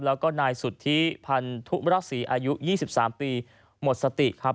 แล้วก็นายสุธิพันธุรักษีอายุยี่สิบสามปีหมดสติครับ